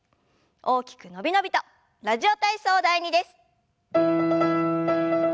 大きく伸び伸びと「ラジオ体操第２」です。